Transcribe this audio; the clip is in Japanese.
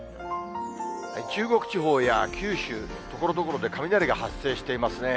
中国地方や九州、ところどころで雷が発生していますね。